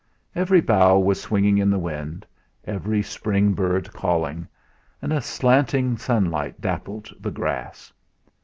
Every bough was swinging in the wind, every spring bird calling, and a slanting sunlight dappled the grass.